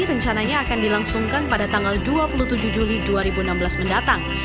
rencananya akan dilangsungkan pada tanggal dua puluh tujuh juli dua ribu enam belas mendatang